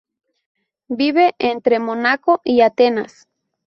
Vive entre Mónaco y Atenas.